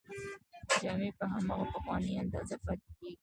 جامې په هماغه پخوانۍ اندازه پاتې کیږي.